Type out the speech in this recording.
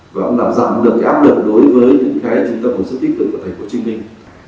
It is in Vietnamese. và cũng giảm được áp lực đối với trung tâm hồ sức tích cực của thành phố hồ chí minh